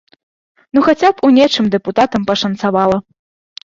Ну хаця б у нечым дэпутатам пашанцавала!